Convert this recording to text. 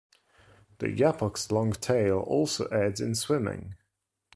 The yapok's long tail also aids in swimming.